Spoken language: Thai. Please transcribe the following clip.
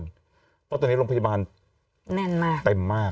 เพราะตอนนี้โรงพยาบาลเต็มมาก